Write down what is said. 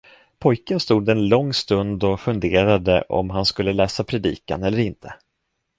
Pojken stod en lång stund och funderade om han skulle läsa predikan eller inte.